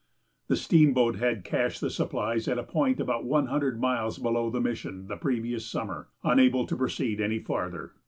The steamboat had cached the supplies at a point about one hundred miles below the mission the previous summer, unable to proceed any farther.